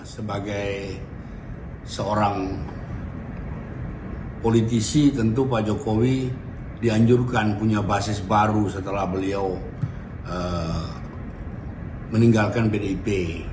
sebagai seorang politisi tentu pak jokowi dianjurkan punya basis baru setelah beliau meninggalkan pdip